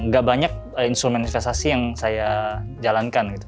gak banyak instrumen investasi yang saya jalankan gitu